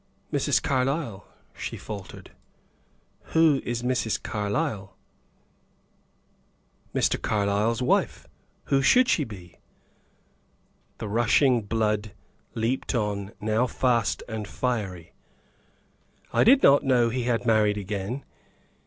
"Mrs. Carlyle," she faltered. "Who is Mrs. Carlyle?" "Mr. Carlyle's wife who should she be?" The rushing blood leaped on now fast and fiery. "I did not know he had married again."